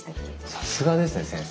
さすがですね先生。